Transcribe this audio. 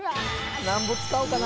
なんぼ使おうかな？